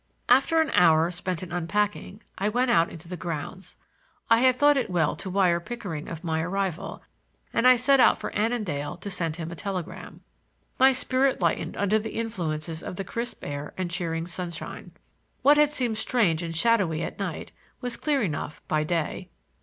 After an hour spent in unpacking I went out into the grounds. I had thought it well to wire Pickering of my arrival, and I set out for Annandale to send him a telegram. My spirit lightened under the influences of the crisp air and cheering sunshine. What had seemed strange and shadowy at night was clear enough by day.